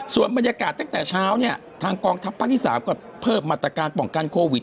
ส่วนบรรยากาศตั้งแต่เช้าเนี่ยทางกองทัพภาคที่๓ก็เพิ่มมาตรการป้องกันโควิด